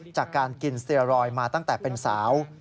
จากการกินสเตียรอยมาตั้งแต่เป็นสาว